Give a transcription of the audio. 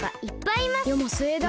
よもすえだ。